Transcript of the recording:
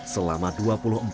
selama dua puluh empat jam